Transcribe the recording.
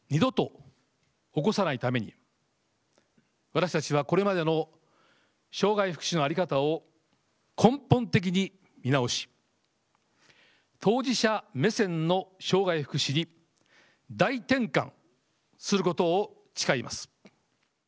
私たちはこれまでの障害福祉の在り方を根本的に見直し当事者目線の障がい福祉に大転換することを誓います。